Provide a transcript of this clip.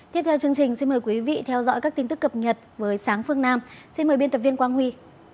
tiếp theo chương trình xin mời quý vị theo dõi các tin tức cập nhật với sáng phương nam xin mời biên tập viên quang huy